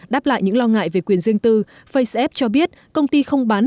đáp lại những lo ngại về quyền riêng tư faceapp cho biết công ty không bán